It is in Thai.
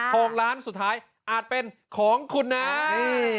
โค้งร้านสุดท้ายอาจเป็นของคุณน้ำ